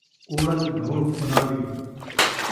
اوڑک جھوک فنا دی